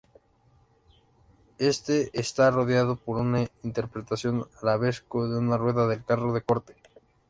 Este está rodeado por una interpretación arabesco de una rueda del carro de corte.